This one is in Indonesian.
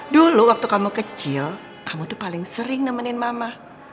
dulu waktu kamu kecil kamu tuh paling sering nemenin mama